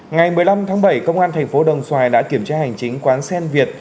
ngày một mươi năm tháng bảy công an thành phố đồng xoài đã kiểm tra hành chính quán sen việt